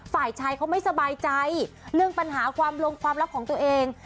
ฝ่ายชายเขาไม่สบายใจเรื่องปัญหาความลงความลับของตัวเอง